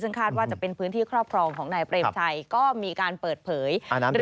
ซึ่งคาดว่าจะเป็นพื้นที่ครอบครองของนายเปรมชัย